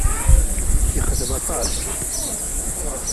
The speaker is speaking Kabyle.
Yexdem aṭas.